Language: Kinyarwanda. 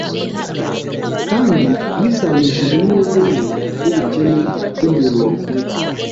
kandi bwisanishije n’intege nke n’ubukene by’umuntu waguye